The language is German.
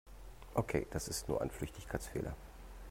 Okay, das ist nur ein Flüchtigkeitsfehler.